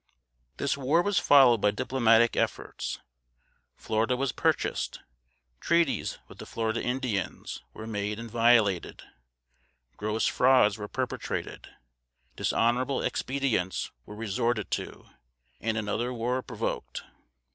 This war was followed by diplomatic efforts. Florida was purchased; treaties with the Florida Indians were made and violated; gross frauds were perpetrated; dishonorable expedients were resorted to, and another war provoked.